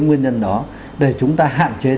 nguyên nhân đó để chúng ta hạn chế